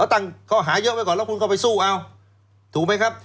ตั้งข้อหาเยอะไว้ก่อนแล้วคุณก็ไปสู้เอาถูกไหมครับ